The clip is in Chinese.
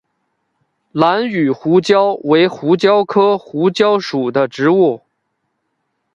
兰屿胡椒为胡椒科胡椒属的植物。